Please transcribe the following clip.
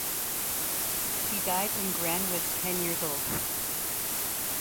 She died when Gran was ten years old.